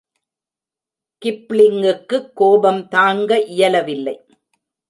கிப்ளிங்குக்குக் கோபம் தாங்க இயலவில்லை.